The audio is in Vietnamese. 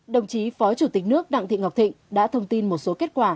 đồng chí phó chủ tịch nước đặng thị ngọc thịnh đã thông tin một số kết quả